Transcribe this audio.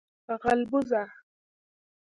🐜 غلبوزه